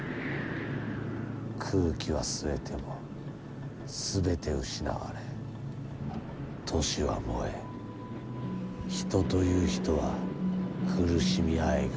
空気は吸えても全て失われ都市は燃え人という人は苦しみあえぐ。